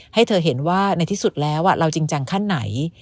ให้เธอเห็นว่าในที่สุดแล้วเราจริงจังขั้นไหน